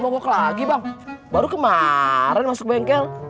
mogok lagi bang baru kemarin masuk bengkel